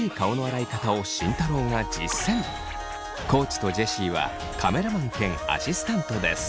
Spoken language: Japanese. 地とジェシーはカメラマン兼アシスタントです。